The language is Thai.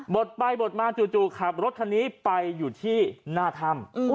ดไปบดมาจู่ขับรถคันนี้ไปอยู่ที่หน้าถ้ำ